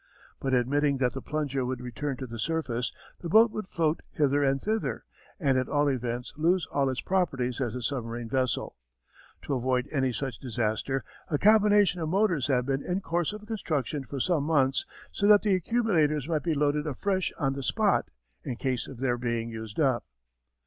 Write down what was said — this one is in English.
But admitting that the plunger would return to the surface, the boat would float hither and thither, and at all events lose all its properties as a submarine vessel. To avoid any such disaster a combination of motors have been in course of construction for some months, so that the accumulators might be loaded afresh on the spot, in case of their being used up.